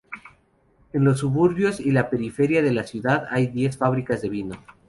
En los suburbios y la periferia de la ciudad hay diez fábricas de vino.